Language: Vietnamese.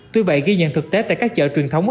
tuy vậy ghi nhận thực tế tại các chợ truyền thống